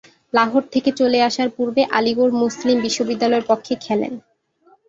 লাহোর থেকে চলে আসার পূর্বে আলীগড় মুসলিম বিশ্ববিদ্যালয়ের পক্ষে খেলেন।